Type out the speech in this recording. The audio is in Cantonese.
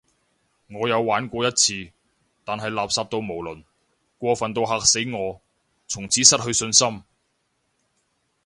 我有玩過一次，但係垃圾到無倫，過份到嚇死我，從此失去信心